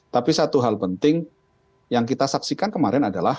tapi satu hal penting yang kita saksikan kemarin adalah